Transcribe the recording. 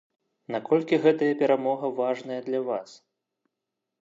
Наколькі гэтая перамога важная для вас?